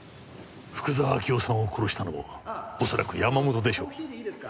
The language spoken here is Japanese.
福沢明夫さんを殺したのも恐らく山本でしょう。